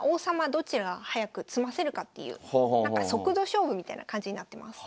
どちらが早く詰ませるかっていう速度勝負みたいな感じになってます。